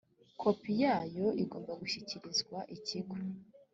kopi yayo igomba gushyikirizwa ikigo